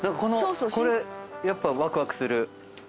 これやっぱワクワクする。